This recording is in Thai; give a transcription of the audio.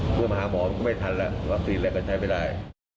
เพื่อมาหาหมอไม่ทันแล้ววัคซีนอะไรก็ใช้ไม่ได้